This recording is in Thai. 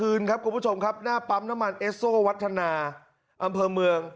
คืนครับคุณผู้ชมครับหน้าปั๊มน้ำมันเอสโซวัฒนาอำเภอเมือง